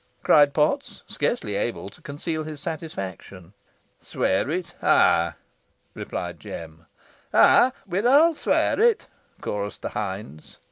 cried Potts, scarcely able to conceal his satisfaction. "Swere it! eigh," replied Jem. "Eigh, we'n aw swere it," chorused the hinds.